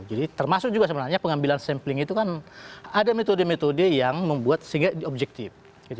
jadi termasuk juga sebenarnya pengambilan sampling itu kan ada metode metode yang membuat sehingga objektif